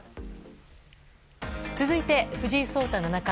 続いて、藤井聡太七冠。